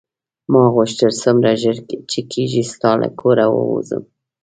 ما غوښتل څومره ژر چې کېږي ستا له کوره ووځم.